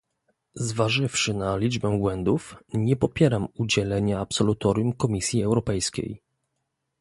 Zważywszy na liczbę błędów, nie popieram udzielenia absolutorium Komisji Europejskiej